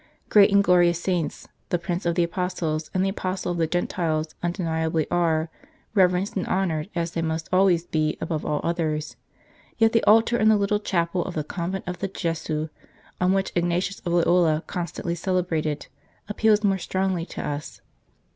Great and glorious saints the Prince of the Apostles and the Apostle of the Gentiles undeniably are, reverenced and honoured as they must always be above all others ; yet the 23 St. Charles Borromeo altar in the little chapel of the Convent of the Gesu, on which Ignatius of Loyola constantly celebrated, appeals more strongly to us.